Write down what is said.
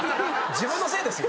自分のせいですよ。